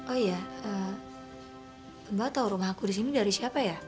oh iya mbak tau rumah aku disini dari siapa ya